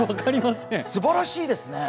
すばらしいですね。